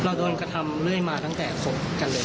โดนกระทำเรื่อยมาตั้งแต่คบกันเลย